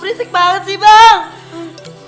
berisik banget sih bang